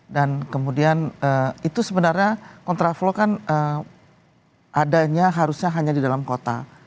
dan kemudian itu sebenarnya kontraflow kan adanya harusnya hanya di dalam kota